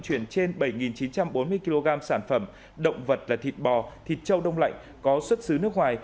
chuyển trên bảy chín trăm bốn mươi kg sản phẩm động vật là thịt bò thịt châu đông lạnh có xuất xứ nước ngoài